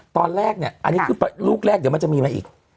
ตอนแรกนี่คือลูกแรกเดี๋ยวมันจะมีไหมอีก